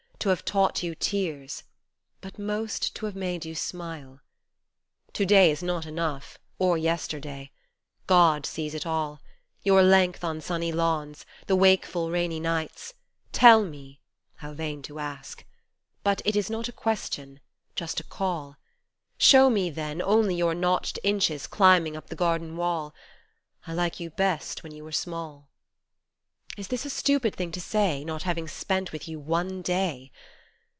to have taught you tears But most to have made you smile. To day is not enough or yesterday : God sees it all Your length on sunny lawns, the wakeful rainy nights ; tell me ; (how vain to ask), but it is not a question just a call ; Show me then, only your notched inches climbing up the garden wall, I like you best when you were small. Is this a stupid thing to say Not having spent with you one day